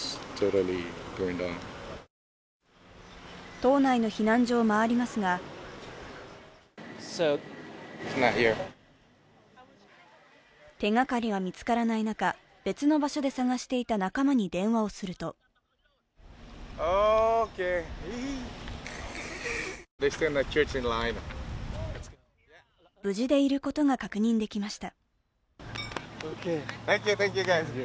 島内の避難所を回りますが手がかりが見つからない中、別の場所で捜していた仲間に電話すると無事でいることが確認できました。